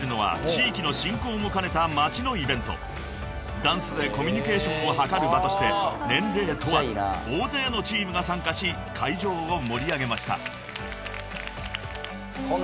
［ダンスでコミュニケーションを図る場として年齢問わず大勢のチームが参加し会場を盛り上げました］